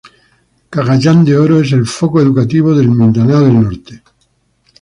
Cagayán de Oro es el foco educativo del Mindanao del Norte.